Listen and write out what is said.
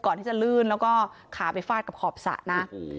ที่จะลื่นแล้วก็ขาไปฟาดกับขอบสระนะ